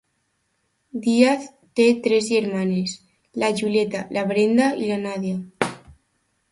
Díaz té tres germanes, la Julieta, la Brenda i la Nadia.